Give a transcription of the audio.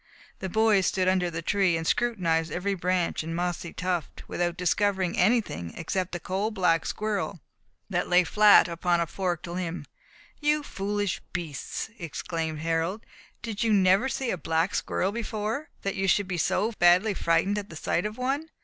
The boys stood under the tree, and scrutinized every branch and mossy tuft, without discovering anything except a coal black squirrel, that lay flat upon a forked limb. "You foolish beasts!" exclaimed Harold, "did you never see a black squirrel before, that you should be so badly frightened at the sight of one?"